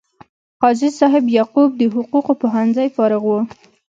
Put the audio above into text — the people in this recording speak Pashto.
قاضي صاحب یعقوب د حقوقو پوهنځي فارغ و.